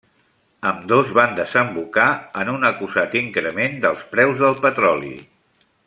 Ambdós van desembocar en un acusat increment dels preus del petroli.